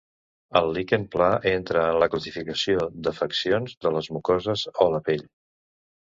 El liquen pla entra en la classificació d'afeccions de les mucoses o la pell.